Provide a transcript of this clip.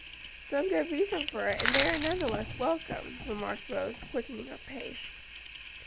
"Some good reason for it, and they are none the less welcome," remarked Rose, quickening her pace.